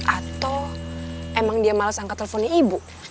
atau emang dia males angka teleponnya ibu